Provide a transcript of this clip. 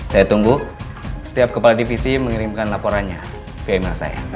saya tunggu setiap kepala divisi mengirimkan laporannya ke ema saya